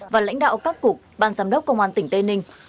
và lãnh đạo các cục ban giám đốc công an tỉnh tây ninh